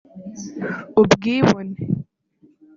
ubwibone